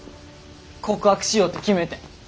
告白しようて決めてん。